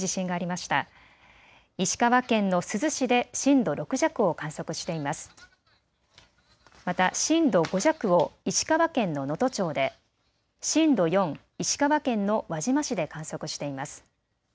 また震度５弱を石川県の能登町で、震度４、石川県の輪島市で観測しています。